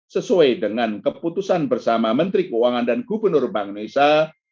sesuai dengan keputusan bersama menteri keuangan dan gubernur bank indonesia